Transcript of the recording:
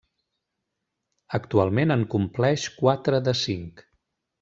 Actualment, en compleix quatre de cinc.